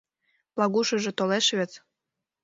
— Плагушыжо толеш вет.